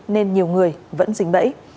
nên nhiều người vẫn dính bẫy